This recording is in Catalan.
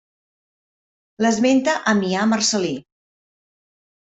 L'esmenta Ammià Marcel·lí.